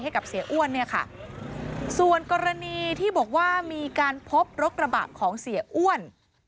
เสียอ้วนเนี่ยค่ะส่วนกรณีที่บอกว่ามีการพบรถกระบะของเสียอ้วน